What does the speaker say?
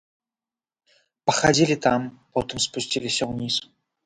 Пахадзілі там, потым спусціліся ўніз.